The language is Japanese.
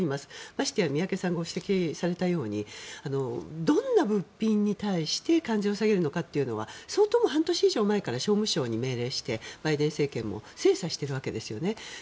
ましてや宮家さんがご指摘されたようにどんな物品に対して関税を下げるのかっていうのは相当、半年以上前から商務省に言ってバイデン政権も精査しているわけですよね。